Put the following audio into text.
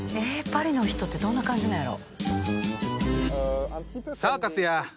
パリの人ってどんな感じなんやろ。